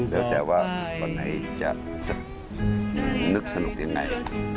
แล้วแต่ว่าวันไหนจะนึกสนุกยังไง